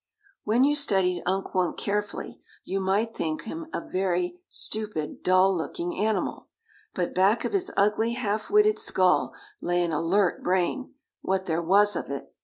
When you studied Unk Wunk carefully, you might think him a very stupid, dull looking animal. But back of his ugly, half witted skull lay an alert brain, what there was of it.